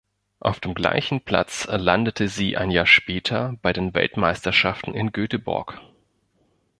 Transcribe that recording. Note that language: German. Auf dem gleichen Platz landete sie ein Jahr später bei den Weltmeisterschaften in Göteborg.